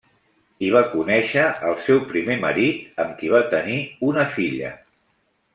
Hi va conèixer el seu primer marit, amb qui va tenir una filla.